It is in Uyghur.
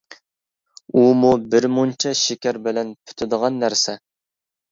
ئۇمۇ بىر مۇنچە شېكەر بىلەن پۈتىدىغان نەرسە.